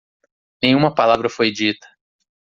Nenhuma palavra foi dita.